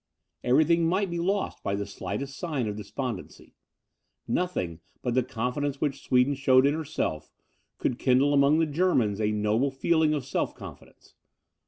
Every thing might be lost by the slightest sign of despondency; nothing, but the confidence which Sweden showed in herself, could kindle among the Germans a noble feeling of self confidence.